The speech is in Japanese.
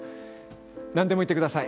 何でも言ってください